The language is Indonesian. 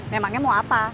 memangnya mau apa